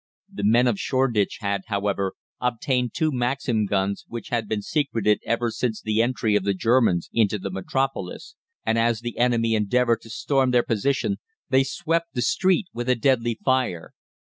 The men of Shoreditch had, however, obtained two Maxim guns, which had been secreted ever since the entry of the Germans into the Metropolis, and as the enemy endeavoured to storm their position they swept the street with a deadly fire.